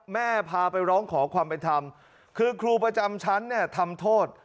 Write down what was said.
พาไปร้องขอความเป็นธรรมคือครูประจำชั้นเนี่ยทำโทษ